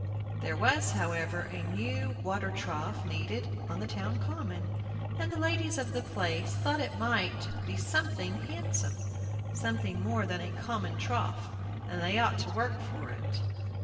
There was, however, a new water trough needed on the town common, and the ladies of the place thought it ought to be something handsome, something more than a common trough, and they ought to work for it.